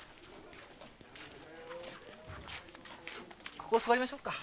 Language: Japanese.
ここ座りましょうか。